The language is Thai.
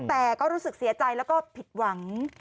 แต่ก็รู้สึกเสียใจแล้วก็ผิดหวัง